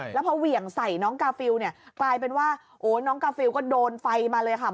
แล้วพอเหวี่ยงใส่น้องกาฟิลเนี่ยกลายเป็นว่าโอ้น้องกาฟิลก็โดนไฟมาเลยค่ะ